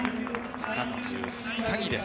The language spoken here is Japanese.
３３位です。